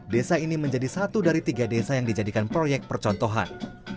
desa ini menjadi satu dari tiga desa yang dijadikan proyek percontohan